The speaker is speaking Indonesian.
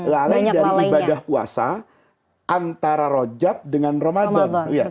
lalai dari ibadah puasa antara rojab dengan ramadan